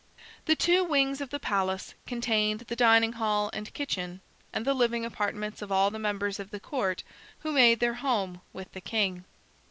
The two wings of the palace contained the dining hall and kitchen and the living apartments of all the members of the court who made their home with the king.